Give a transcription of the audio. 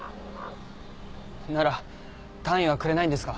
なら単位はくれないんですか？